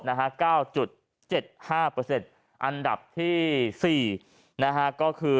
นะฮะเก้าจุดเจ็ดห้าเปอร์เซ็นต์อันดับที่สี่นะฮะก็คือ